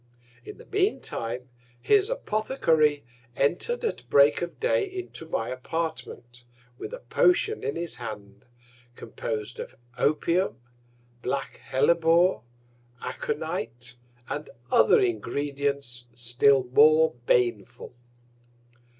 In the mean Time, his Apothecary enter'd at Break of Day into my Apartment, with a Potion in his Hand, compos'd of Opium, black Hellebore, Aconite, and other Ingredients still more baneful.